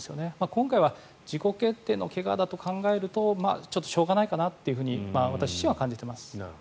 今回は自己決定の怪我だと考えるとちょっとしょうがないかなと私自身は感じています。